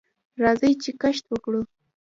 راځئ چې کښت وکړو.